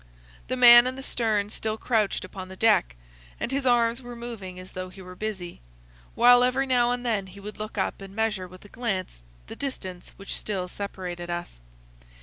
The man in the stern still crouched upon the deck, and his arms were moving as though he were busy, while every now and then he would look up and measure with a glance the distance which still separated us.